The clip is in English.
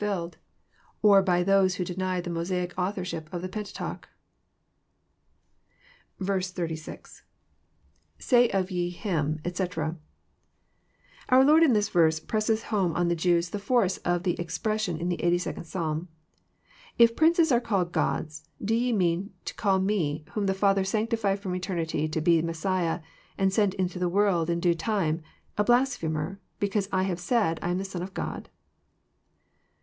be ftaUUIed^OT liy those who deny the Mosaic anthorsUp of the Pentateuch. Z6.^[Say ye of him, etc.'] Oar Lord in this Terse presses home on , the Jews tiie force of the expression in the 82d Psalm. If ' princes are called gods, do ye mean to call Me whom the Father sanctified flrom eternity to be Messiah, and sent into the world In due time, a blasphemer, because I haYe said, I am the Son of God?"